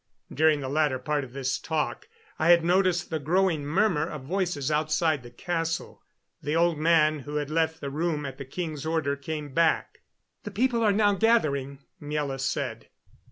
During the latter part of this talk I had noticed the growing murmur of voices outside the castle. The old man who had left the room at the king's order came back. "The people now are gathering," Miela said.